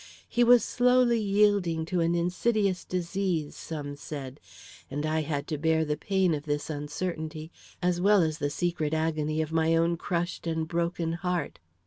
He was slowly yielding to an insidious disease, some said; and I had to bear the pain of this uncertainty, as well as the secret agony of my own crushed and broken heart.